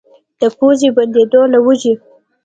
د پوزې بندېدو له وجې